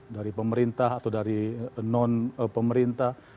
dari pemerintah atau dari non pemerintah